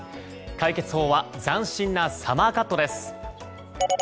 解決法は斬新なサマーカットです。